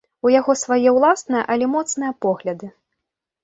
У яго свае ўласныя, але моцныя погляды.